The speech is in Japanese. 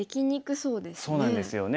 そうなんですよね。